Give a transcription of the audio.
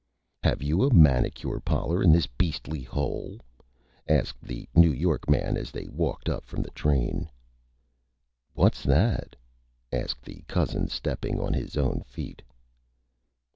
"Have you a Manicure Parlor in this Beastly Hole?" asked the New York Man, as they walked up from the Train. "What's that?" asked the Cousin, stepping on his own Feet.